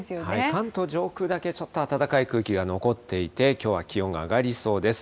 関東上空だけちょっと暖かい空気が残っていて、きょうは気温が上がりそうです。